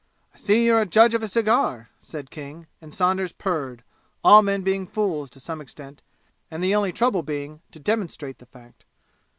"I see you're a judge of a cigar," said King, and Saunders purred, all men being fools to some extent, and the only trouble being to demonstrate the fact.